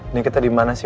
ini kita dimana sih